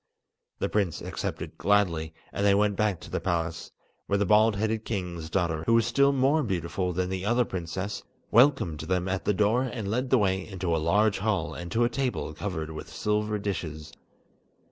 The prince accepted gladly, and they went back to the palace, where the bald headed king's daughter, who was still more beautiful than the other princess, welcomed them at the door and led the way into a large hall and to a table covered with silver dishes.